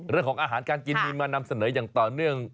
เรื่องของอาหารการกินมีมานำเสนออย่างต่อเนื่อง